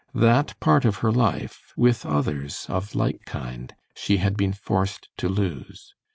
That part of her life, with others of like kind, she had been forced to lose.